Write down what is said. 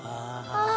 ああ。